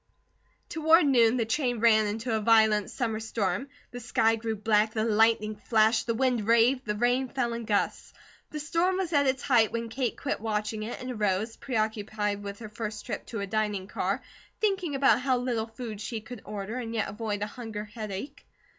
Toward noon the train ran into a violent summer storm. The sky grew black, the lightning flashed, the wind raved, the rain fell in gusts. The storm was at its height when Kate quit watching it and arose, preoccupied with her first trip to a dining car, thinking about how little food she could order and yet avoid a hunger headache.